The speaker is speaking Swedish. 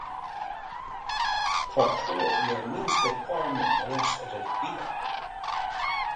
Kvarstår gör minst ett par månaders redigering.